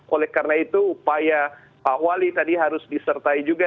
oleh karena itu upaya pak wali tadi harus disertai juga